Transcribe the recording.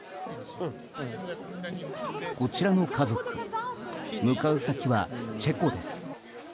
こちらの家族向かう先はチェコです。